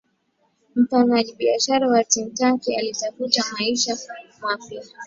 mfanyakazi huyo wa titanic alitafuta maisha mapya